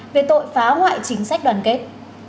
về tội phá hoại chính sách đoàn kết